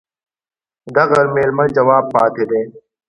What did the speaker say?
د ميلمه جواب پاتى دى.